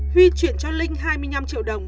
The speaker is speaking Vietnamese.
huy chuyển cho linh hai mươi năm triệu đồng